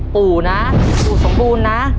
ปู่นะปู่สมบูรณ์นะ